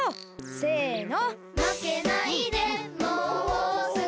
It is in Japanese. せの！